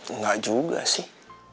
enggak juga sih